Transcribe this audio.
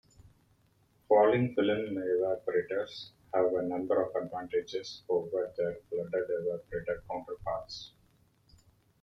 Falling film evaporators have a number of advantages over their flooded evaporator counterparts.